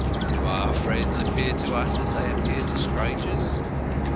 Do our friends appear to us as they appear to strangers?